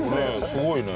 すごいね。